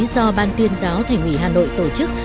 do ban tuyên giáo thành ủy hà nội tổ chức